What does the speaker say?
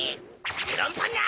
メロンパンナ！